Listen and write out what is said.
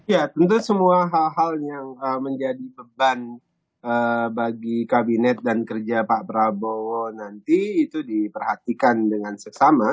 ya tentu semua hal hal yang menjadi beban bagi kabinet dan kerja pak prabowo nanti itu diperhatikan dengan sesama